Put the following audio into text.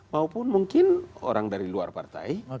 maupun mungkin orang dari luar partai